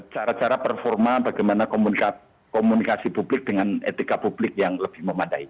cara cara performa bagaimana komunikasi publik dengan etika publik yang lebih memadai